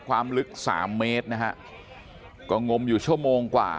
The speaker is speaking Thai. ความลึกสามเมตรนะฮะก็งมอยู่ชั่วโมงกว่า